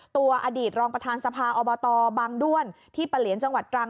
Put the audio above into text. อดีตรองประธานสภาอบตบางด้วนที่ปะเหลียนจังหวัดตรัง